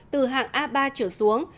từ hạng a ba trở xuống